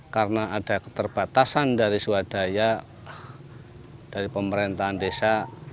karena ada keterbatasan dari suadaya dari pemerintahan desa